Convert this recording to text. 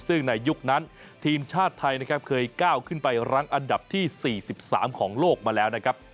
ซึ่งในยุคนั้นทีมชาติไทยนะครับเคยก้าวขึ้นไปรั้งอันดับที่๔๓ของโลกมาแล้วนะครับ